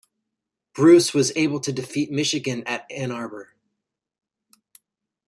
Bruce was able to defeat Michigan at Ann Arbor.